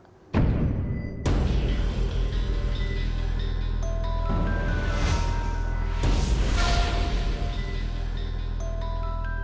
โปรดติดตามตอนต่อไป